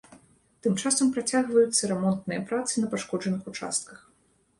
Тым часам, працягваюцца рамонтныя працы на пашкоджаных участках.